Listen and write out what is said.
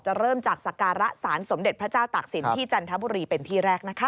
จะเริ่มจากสการสารสมเด็จพระเจ้าตักษิณที่จันทบุรีเป็นที่แรก